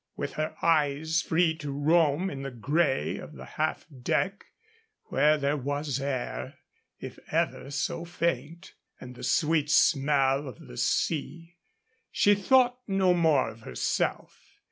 With her eyes free to roam in the gray of the half deck, where there was air, if ever so faint, and the sweet smell of the sea, she thought no more of herself.